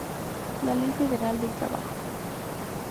La Ley Federal del Trabajo.